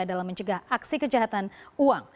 dalam mencegah aksi kejahatan uang